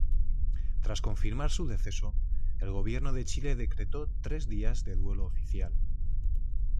Tras confirmar su deceso el gobierno de Chile decretó tres días de duelo oficial.